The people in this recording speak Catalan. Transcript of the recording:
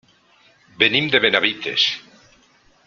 Venim de Benavites.